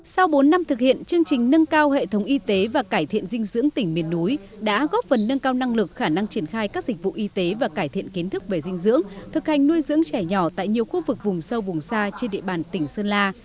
sau bốn năm thực hiện chương trình nâng cao hệ thống y tế và cải thiện dinh dưỡng tỉnh miền núi đã góp phần nâng cao năng lực khả năng triển khai các dịch vụ y tế và cải thiện kiến thức về dinh dưỡng thực hành nuôi dưỡng trẻ nhỏ tại nhiều khu vực vùng sâu vùng xa trên địa bàn tỉnh sơn la